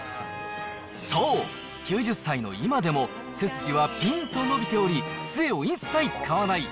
そう、９０歳の今でも、背筋はぴんと伸びており、つえを一切使わない。